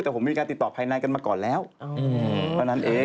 แต่ผมมีการติดต่อภายในกันมาก่อนแล้วเท่านั้นเอง